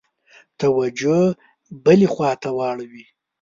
توجه بلي خواته واړوي.